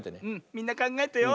みんなかんがえてよ。